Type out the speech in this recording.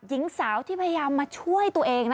หญิงสาวที่พยายามมาช่วยตัวเอง